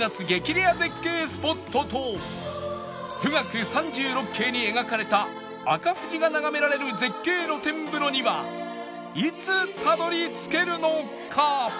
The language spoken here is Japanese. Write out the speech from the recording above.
レア絶景スポットと『冨嶽三十六景』に描かれた赤富士が眺められる絶景露天風呂にはいつたどり着けるのか？